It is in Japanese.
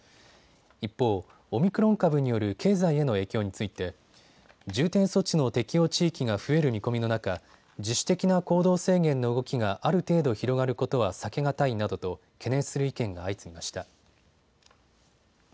一方、オミクロン株による経済への影響について重点措置の適用地域が増える見込みの中、自主的な行動制限の動きがある程度広がることは避け難いなどと懸念する意見が相次ぎました。